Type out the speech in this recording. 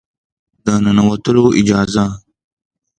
د ننوتلو اجازه